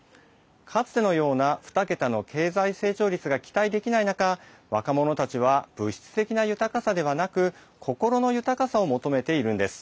かつてのような二桁の経済成長率が期待できない中若者たちは物質的な豊かさではなく心の豊かさを求めているんです。